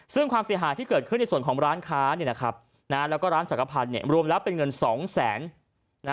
ซึ่งความเสียหายที่เกิดขึ้นในส่วนของร้านค้าแล้วก็ร้านสังขพันธ์รวมแล้วเป็นเงิน๒แสน